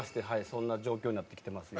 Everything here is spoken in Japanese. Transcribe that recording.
そんな状況になってきてます。